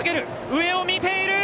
上を見ている！